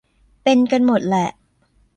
เป็นกันหมดแหละ